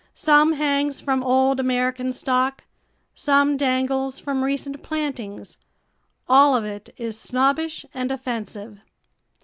Some hangs from old American stock, some dangles from recent plantings, all of it is snobbish and offensive.